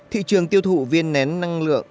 thị trường tiêu thụ viên nén năng lượng